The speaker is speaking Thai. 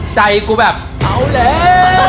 ใจกูแบบเอาแล้ว